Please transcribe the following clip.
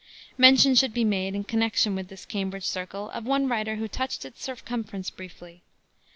Mention should be made, in connection with this Cambridge circle, of one writer who touched its circumference briefly.